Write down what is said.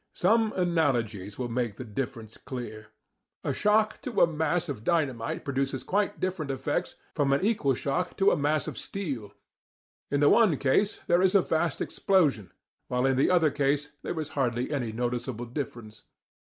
Some analogies will make the difference clear. A shock to a mass of dynamite produces quite different effects from an equal shock to a mass of steel: in the one case there is a vast explosion, while in the other case there is hardly any noticeable disturbance.